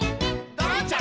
「ドロンチャ！